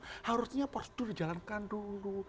mungkin prinsipnya prosedur dijalankan dulu